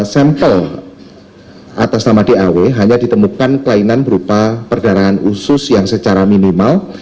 sampel atas nama daw hanya ditemukan kelainan berupa perdarangan usus yang secara minimal